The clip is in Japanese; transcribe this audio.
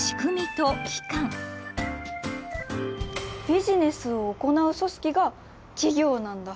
ビジネスを行う組織が企業なんだ。